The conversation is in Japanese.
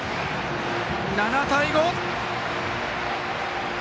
７対５！